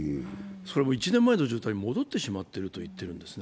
１年前の状態に戻ってしまっていると言ってるんです。